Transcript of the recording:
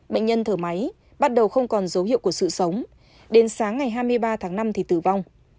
bệnh nhân thở máy bắt đầu không còn dấu hiệu của sự sống đến sáng ngày hai mươi ba tháng năm thì tử vong